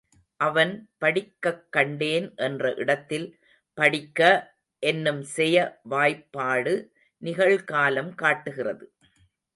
அவன் படிக்கக்கண்டேன் என்ற இடத்தில் படிக்க என்னும் செய வாய்பாடு நிகழ்காலம் காட்டுகிறது.